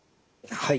はい。